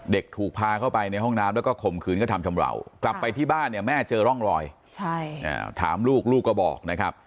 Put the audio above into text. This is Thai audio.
ถูกพาเข้าไปในห้องน้ำแล้วก็ข่มขืนกระทำชำราวกลับไปที่บ้านเนี่ยแม่เจอร่องรอยถามลูกลูกก็บอกนะครับ